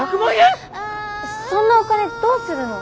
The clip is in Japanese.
そんなお金どうするの？